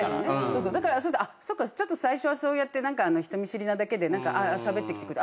だからそっかちょっと最初はそうやって人見知りなだけでしゃべってきてくれた。